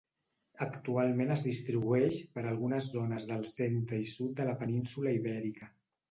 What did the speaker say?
Actualment es distribueix per algunes zones del Centre i Sud de la península Ibèrica.